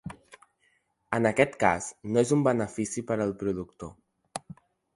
En aquest cas, no és un benefici per al productor.